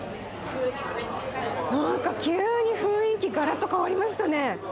何か急に雰囲気がらっと変わりましたね！